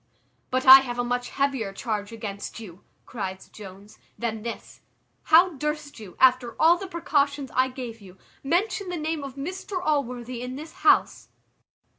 "But I have a much heavier charge against you," cries Jones, "than this. How durst you, after all the precautions I gave you, mention the name of Mr Allworthy in this house?"